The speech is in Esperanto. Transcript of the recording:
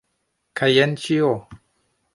Kaj jen ĉio!